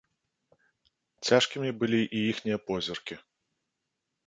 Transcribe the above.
Цяжкімі былі і іхнія позіркі.